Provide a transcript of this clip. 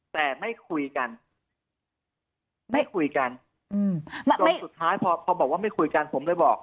แต่ไม่คุยกันไม่คุยกันจนสุดท้ายพอบอกว่าไม่คุยกันผมเลยบอก